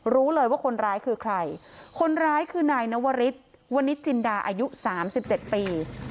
รู้เลยว่าคนร้ายคือใครคนร้ายคือนายนวริสวนิจินดาอายุสามสิบเจ็ดปี